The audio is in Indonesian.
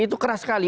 itu keras sekali